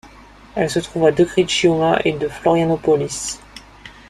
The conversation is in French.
Elle se trouve à de Criciúma et de Florianópolis.